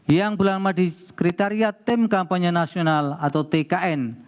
yang berlama di sekretariat tim kampanye nasional atau tkn